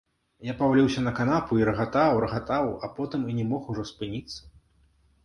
Я паваліўся на канапу і рагатаў, рагатаў, а потым і не мог ужо спыніцца.